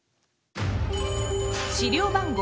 資料番号